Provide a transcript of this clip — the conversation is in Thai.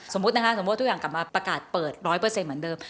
สมมุติทุกอย่างกลับมาประกาศเปิด๑๐๐เหมือนเดิม